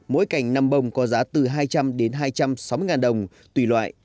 mỗi cành năm bông có giá từ hai trăm linh đến hai trăm sáu mươi ngàn đồng tùy loại